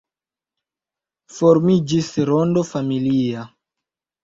Formiĝis rondo familia.